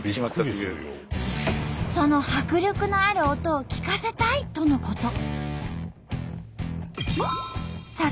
その迫力のある音を聞かせたいとのこと。